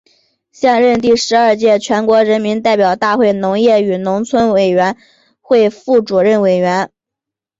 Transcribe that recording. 现任第十二届全国人民代表大会农业与农村委员会副主任委员。